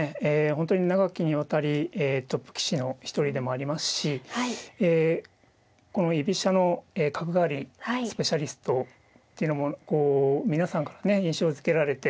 本当に長きにわたりトップ棋士の一人でもありますしえ居飛車の角換わりのスペシャリストっていうのもこう皆さんからね印象づけられて。